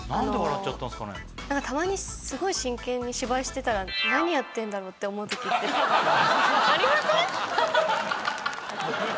たまにすごい真剣に芝居してたら何やってんだろうって思うときってありません？